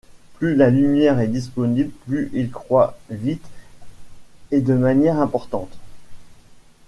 Plus la lumière est disponible, plus il croît vite et de manière importante.